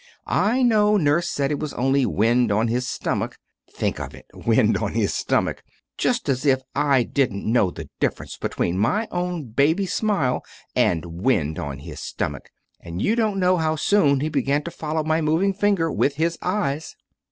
"I know nurse said it was only wind on his stomach. Think of it wind on his stomach! Just as if I didn't know the difference between my own baby's smile and wind on his stomach! And you don't know how soon he began to follow my moving finger with his eyes!"